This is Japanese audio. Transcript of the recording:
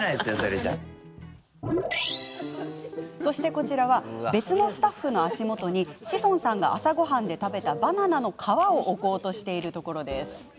こちらは、別のスタッフの足元に志尊さんが朝ごはんで食べたバナナの皮を置こうとしているところです。